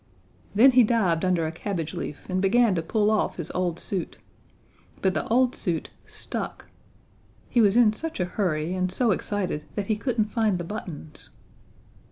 Then he dived under a cabbage leaf and began to pull off his old suit. But the old suit stuck! He was in such a hurry and so excited that he couldn't find the buttons.